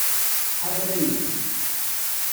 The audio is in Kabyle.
Ḥader aydi.